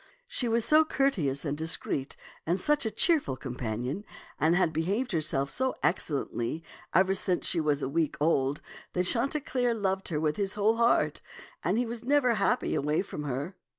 She was so courteous and discreet and such a cheerful companion, and had be haved herself so excellently ever since she was a week old, that Chanticleer loved her with his whole heart, and was never happy away from her.